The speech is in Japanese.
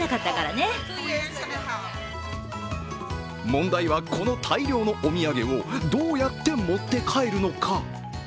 問題は、この大量のお土産をどうやって持って帰るのか。